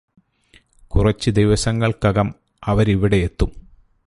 കുറച്ചു ദിവസങ്ങള്ക്കകം അവരിവിടെയെത്തും